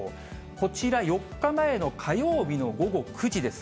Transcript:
こちら、４日前の火曜日の午後９時です。